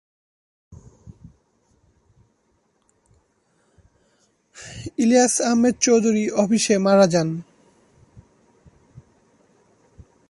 ইলিয়াস আহমেদ চৌধুরী অফিসে মারা যান।